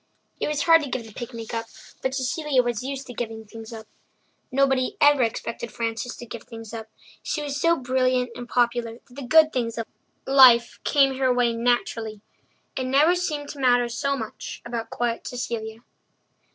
It was hard to give the picnic up, but Cecilia was used to giving things up. Nobody ever expected Frances to give things up; she was so brilliant and popular that the good things of life came her way naturally. It never seemed to matter so much about quiet Cecilia.